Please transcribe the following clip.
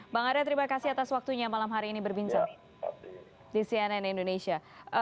bang arya terima kasih atas waktunya malam hari ini berbincang di cnn indonesia